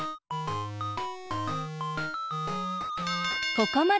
ここまで。